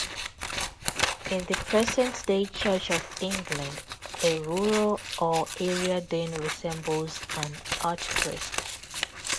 In the present-day Church of England, a rural or area dean resembles an archpriest.